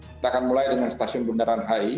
kita akan mulai dengan stasiun bundaran hi